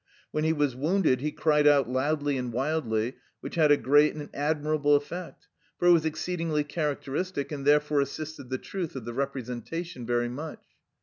When he was wounded he cried out loudly and wildly, which had a great and admirable effect, for it was exceedingly characteristic and therefore assisted the truth of the representation very much.